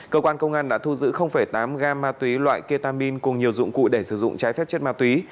cơ quan công an đã thu giữ tám gam ma túy loại ketamin cùng nhiều dụng cụ để sử dụng trái phép chất ma túy